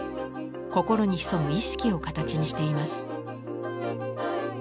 心に潜む意識を形にしています。